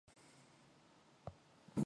Бүсгүй түргэн хөдөлж зурвасыг гарт нь шидлээ.